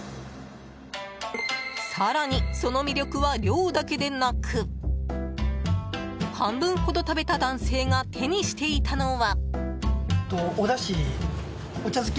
更に、その魅力は量だけでなく半分ほど食べた男性が手にしていたのは。